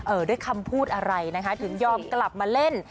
ด้วยคำพูดอะไรนะคะถึงยอมกลับมาเล่น